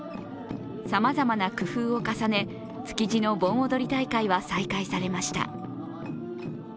さまざまな工夫を重ね、築地の盆踊り大会は再開されました。